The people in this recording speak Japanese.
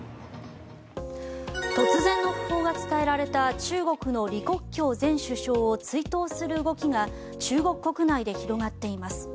突然の訃報が伝えられた中国の李克強前首相を追悼する動きが中国国内で広がっています。